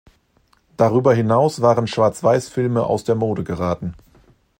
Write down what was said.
Darüber hinaus waren Schwarzweißfilme aus der Mode geraten.